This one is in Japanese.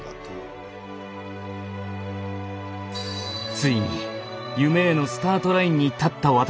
ついに夢へのスタートラインに立った私。